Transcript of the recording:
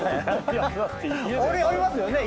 ありますよね。